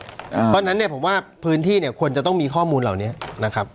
เพราะฉะนั้นเนี่ยผมว่าพื้นที่เนี่ยควรจะต้องมีข้อมูลเหล่านี้นะครับ